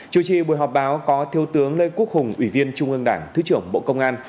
chủ trì buổi họp báo có thiếu tướng lê quốc hùng ủy viên trung ương đảng thứ trưởng bộ công an